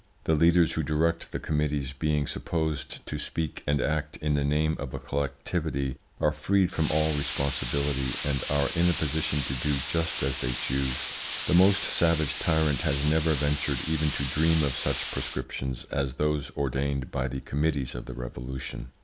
The leaders who direct the committees being supposed to speak and act in the name of a collectivity, are freed from all responsibility, and are in a position to do just as they choose. The most savage tyrant has never ventured even to dream of such proscriptions as those ordained by the committees of the Revolution.